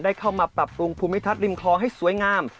เข้ามาปรับปรุงภูมิทัศน์ริมคลองให้สวยงาม